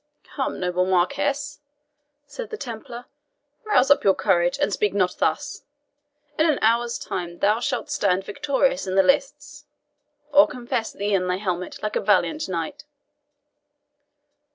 "Come, noble Marquis," said the Templar, "rouse up your courage, and speak not thus. In an hour's time thou shalt stand victorious in the lists, or confess thee in thy helmet, like a valiant knight."